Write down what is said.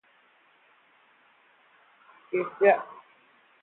He established a tuberculosis sanatorium at Badenweiler in the Black Forest.